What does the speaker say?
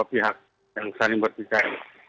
bagi pihak yang saling bertikai